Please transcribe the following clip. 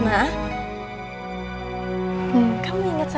jangan menjauhkan bunda sendiri ya